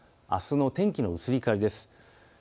あすの天気の移り変わりです。